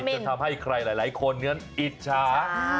จนทำให้ใครหลายคนนั้นอิจฉา